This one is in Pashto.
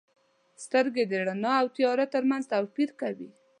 • سترګې د رڼا او تیاره ترمنځ توپیر کوي.